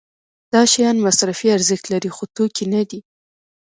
دا شیان مصرفي ارزښت لري خو توکي نه دي.